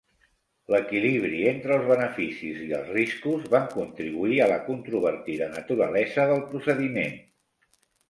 L'equilibri entre els beneficis i els riscos va contribuir a la controvertida naturalesa del procediment.